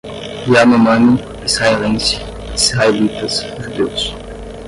Yanomami, israelense, israelitas, judeus